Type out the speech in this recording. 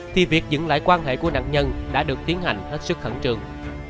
thì việc dựng lại quan hệ của nạn nhân đã được tiến hành hết sức khẩn trương